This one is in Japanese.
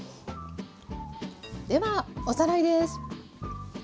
ではおさらいです。